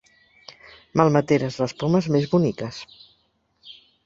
Malmeteres les pomes més boniques.